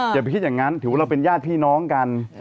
อย่าไปคิดอย่างนั้นถือว่าเราเป็นญาติพี่น้องกัน